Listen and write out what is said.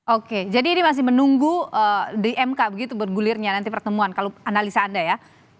oke jadi ini masih menunggu di mk begitu bergulirnya nanti pertemuan kalau analisa anda ya